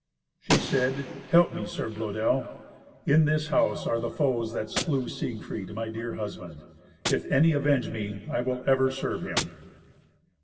She said, "Help me, Sir Blœdel. In this house are the foes that slew Siegfried, my dear husband. If any avenge me, I will ever serve him."